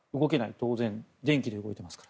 当然、電気で動いていますから。